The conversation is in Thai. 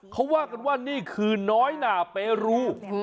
เขาว่ากันว่านี่คือน้อยหนาเปรู